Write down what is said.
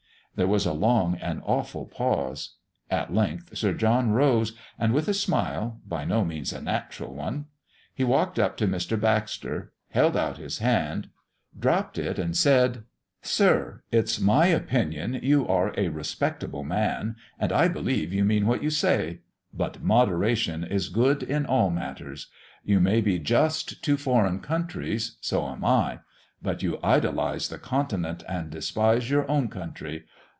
There was a long and awful pause. At length Sir John rose, and with a smile, by no means a natural one, he walked up to Mr. Baxter, held out his hand, dropped it, and said "Sir! It's my opinion you are a respectable man, and I believe you mean what you say; but moderation is good in all matters. You may be just to foreign countries: so am I. But you idolize the Continent, and despise your own country.